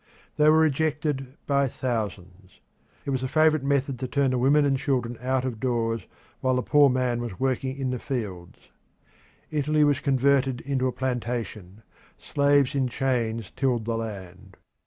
They were ejected by thousands it was the favourite method to turn the women and children out of doors while the poor man was working in the fields. Italy was converted into a plantation; slaves in chains tilled the land.